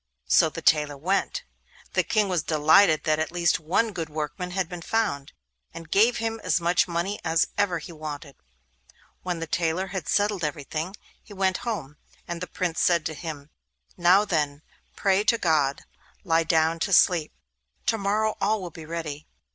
So the tailor went. The King was delighted that at least one good workman had been found, and gave him as much money as ever he wanted. When his tailor had settled everything, he went home. And the Prince said to him: 'Now then, pray to God, and lie down to sleep; to morrow all will be ready.